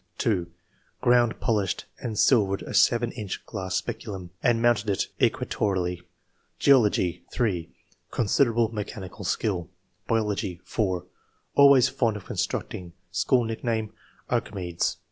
2. ''Ground, polished, and silvered a 7 inch glass speculum, and mounted it equatorially." Geology. — 3. Considerable mechanical skill." Biology. — 4. '' Always fond of constructing ; school nickname, 'Archimedes.'